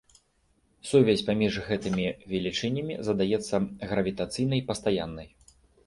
Сувязь паміж гэтымі велічынямі задаецца гравітацыйнай пастаяннай.